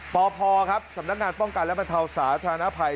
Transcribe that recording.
พพครับสำนักงานป้องกันและบรรเทาสาธารณภัย